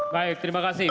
baik terima kasih